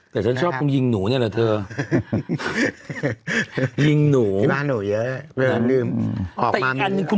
แต่ฉันชอบคุณยิงหนูเนี่ยเดี๋ยวดูเผาทางอีกอันนึง